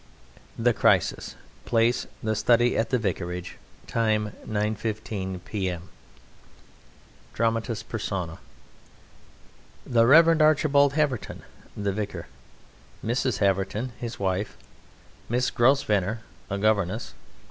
THE CRISIS PLACE: The Study at the Vicarage. TIME 9.15 p.m. DRAMATIS PERSONÆ THE REV. ARCHIBALD HAVERTON: The Vicar. MRS. HAVERTON: His Wife. MISS GROSVENOR: A Governess.